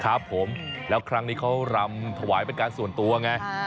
ครับผมแล้วครั้งนี้เขารำถวายเป็นการส่วนตัวไง